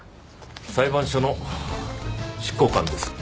裁判所の執行官です。